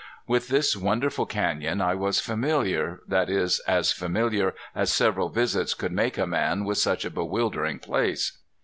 With this wonderful canyon I was familiar, that is, as familiar as several visits could make a man with such a bewildering place.